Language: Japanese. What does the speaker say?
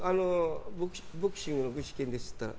ボクシングの具志堅ですって言ったら